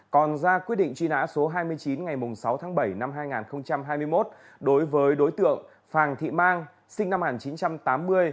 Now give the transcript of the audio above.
còn ra quyết định truy nã số hai mươi chín ngày sáu tháng bảy năm hai nghìn hai mươi một đối với đối tượng phàng thị mang sinh năm một nghìn chín trăm tám mươi